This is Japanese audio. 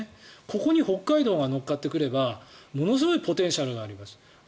ここに北海道が乗っかってくればものすごいポテンシャルがあります。